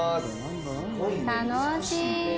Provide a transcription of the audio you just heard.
楽しい。